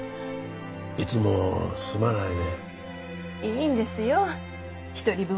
いつもすまないね。